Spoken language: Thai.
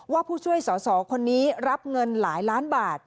ผู้ช่วยสอสอคนนี้รับเงินหลายล้านบาท